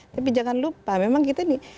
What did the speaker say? tapi jangan lupa memang kita nih